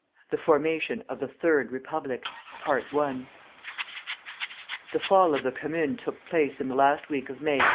THE FORMATION OF THE THIRD REPUBLIC. The fall of the Commune took place in the last week of May, 1871.